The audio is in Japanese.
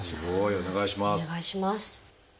お願いします。